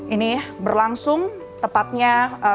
ini berlangsung tepatnya seratus